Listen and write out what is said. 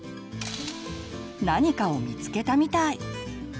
何かを見つけたみたい。